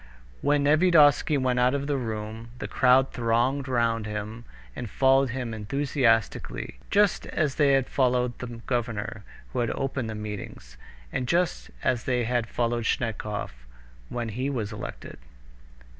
When Nevyedovsky went out of the room, the crowd thronged round him and followed him enthusiastically, just as they had followed the governor who had opened the meetings, and just as they had followed Snetkov when he was elected.